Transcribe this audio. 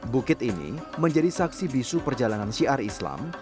bukit ini menjadi saksi bisu perjalanan syiar islam